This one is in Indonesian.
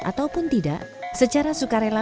ataupun tidak secara sukarela